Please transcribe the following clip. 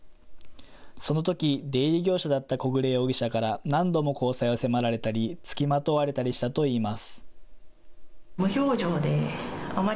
そのとき出入り業者だった小暮容疑者から何度も交際を迫られたりつきまとわれたりしたといいます。